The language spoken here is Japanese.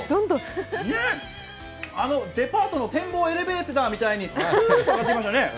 デパートの展望エレベーターみたいにヒューッと上がってきましたね。